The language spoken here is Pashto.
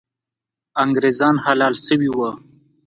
انګریزان حلال سوي وو.